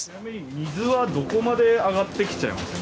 水はどこまで上がってきちゃいましたかね。